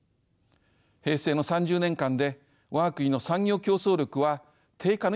平成の３０年間で我が国の産業競争力は低下の一途をたどりました。